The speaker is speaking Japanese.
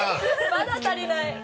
まだ足りない。